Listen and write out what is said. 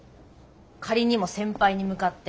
仮にも先輩に向かって。